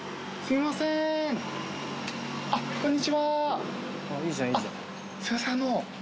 すいませんあの。